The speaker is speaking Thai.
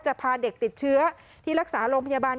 พาเด็กติดเชื้อที่รักษาโรงพยาบาล